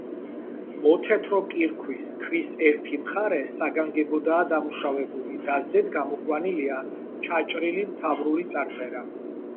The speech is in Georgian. მოთეთრო კირქვის ქვის ერთი მხარე საგანგებოდაა დამუშავებული და ზედ გამოყვანილია ჩაჭრილი მთავრული წარწერა.